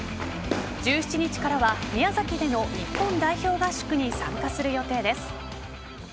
１７日からは宮崎での日本代表合宿に参加する予定です。